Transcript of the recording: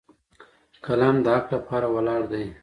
قلم د حق لپاره ولاړ دی